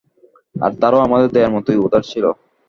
আর তারাও আমাদের দেয়ার মতো উদার ছিল।